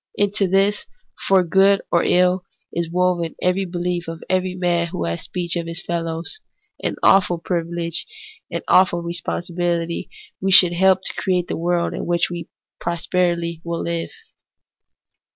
Into this, for good or ill, is woven every belief of every man who has speech of his fellows. An awful privilege, and an awful responsibihty, that we should help to create the world in which posterity will hve.